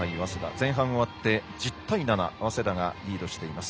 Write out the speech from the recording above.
前半終わって１０対７、早稲田がリードしています。